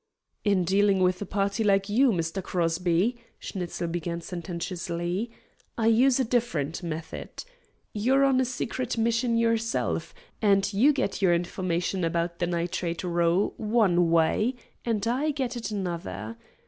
"In dealing with a party like you, Mr. Crosby," Schnitzel began sententiously, "I use a different method. You're on a secret mission yourself, and you get your information about the nitrate row one way, and I get it another.